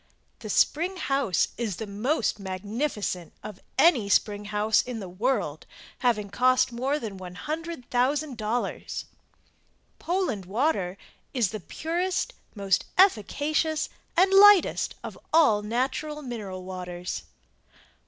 The Spring House is the most magnificent of any spring house m the world having cost more then $100,000. "POLAND" WATER IS the purest, most efficacious and lightest of all natural mineral waters.